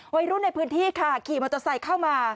ไว้รุ่นในพื้นที่ค่ะกี่มันจะใส่เข้ามา